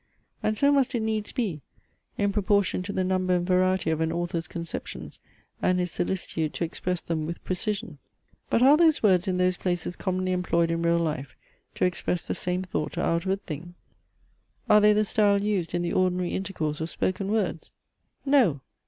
And so must it needs be, in proportion to the number and variety of an author's conceptions, and his solicitude to express them with precision. But are those words in those places commonly employed in real life to express the same thought or outward thing? Are they the style used in the ordinary intercourse of spoken words? No!